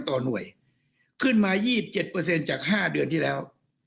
ต่อหน่วยขึ้นมายี่สิบเจ็ดเปอร์เซ็นต์จากห้าเดือนที่แล้ว